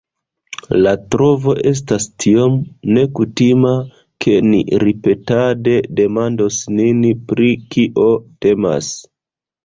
La trovo estas tiom nekutima, ke ni ripetade demandos nin, pri kio temas.